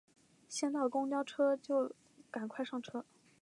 先到公车站就赶快上车